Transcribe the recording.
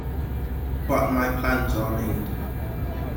But my plans are made.